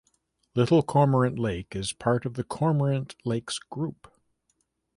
Little Cormorant Lake is part of the Cormorant Lakes group.